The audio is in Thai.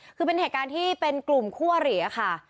คือเป็นเหตุการณ์ที่เป็นกลุ่มคั่วเหรียค่ะ